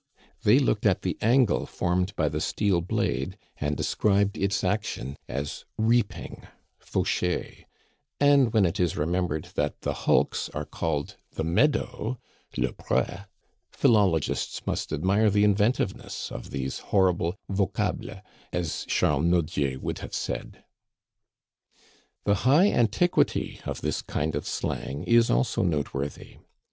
They looked at the angle formed by the steel blade, and described its action as repeating (faucher); and when it is remembered that the hulks are called the meadow (le pre), philologists must admire the inventiveness of these horrible vocables, as Charles Nodier would have said. The high antiquity of this kind of slang is also noteworthy.